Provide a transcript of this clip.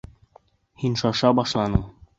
Һин шаша башланың!